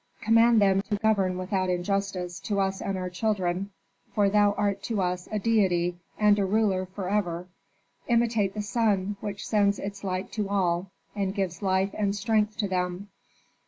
"Command them to govern without injustice to us and our children, for thou art to us a deity and a ruler forever. Imitate the sun, which sends his light to all and gives life and strength to them.